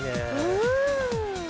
うん！